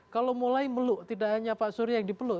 kalau mulai meluk tidak hanya pak surya yang dipeluk